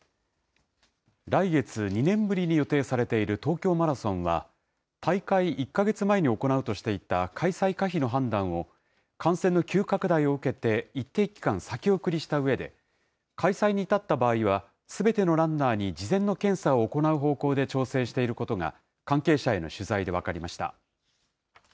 来月、２年ぶりに予定されている東京マラソンは、大会１か月前に行うとしていた開催可否の判断を、感染の急拡大を受けて一定期間先送りしたうえで、開催に至った場合は、すべてのランナーに事前の検査を行う方向で調整していることが、関係者への取材で分かりました。